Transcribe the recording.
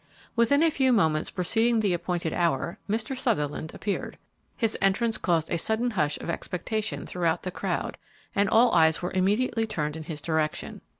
Within a few moments preceding the appointed hour, Mr. Sutherland appeared. His entrance caused a sudden hush of expectation throughout the crowd and all eyes were immediately turned in his direction.